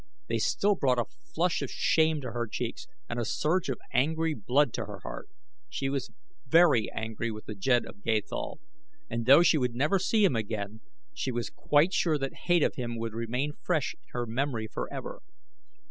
They still brought a flush of shame to her cheeks and a surge of angry blood to her heart. She was very angry with the Jed of Gathol, and though she should never see him again she was quite sure that hate of him would remain fresh in her memory forever.